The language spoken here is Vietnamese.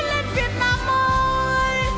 lên việt nam ơi